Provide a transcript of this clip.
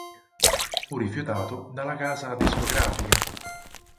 Fu rifiutato dalla casa discografica.